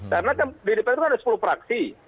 karena di dpr itu ada sepuluh praksi